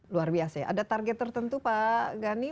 luar biasa ya ada target tertentu pak gani